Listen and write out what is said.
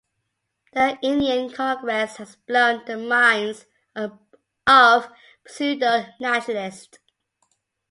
The Indian congress has blown the minds of pseudo-nationalist .